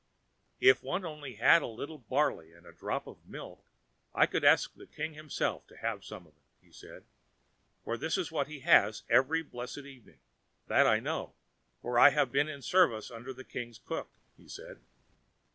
"If one had only a little barley and a drop of milk, we could ask the king himself to have some of it," he said; "for this is what he has every blessed evening—that I know, for I have been in service under the king's cook," he said.